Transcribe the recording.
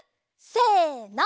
せの。